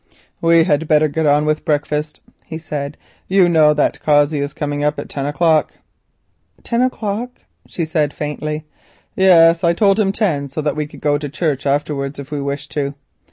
"We had better get on with breakfast," he said. "You know that Cossey is coming up at ten o'clock." "Ten o'clock?" she said faintly. "Yes. I told him ten so that we could go to church afterwards if we wished to.